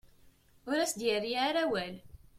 Ur as-d-yerri ara awal.